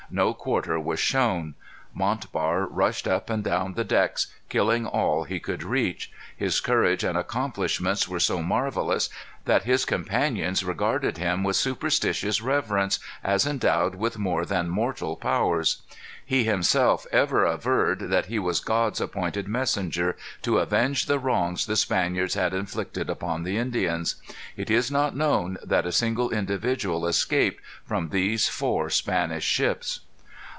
No quarter was shown. Montbar rushed up and down the decks killing all he could reach. His courage and accomplishments were so marvellous, that his comrades regarded him with superstitious reverence, as endowed with more than mortal powers. He himself ever averred that he was God's appointed messenger, to avenge the wrongs the Spaniards had inflicted upon the Indians. It is not known that a single individual escaped from these four Spanish ships.